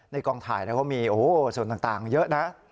กองถ่ายเขามีส่วนต่างเยอะนะ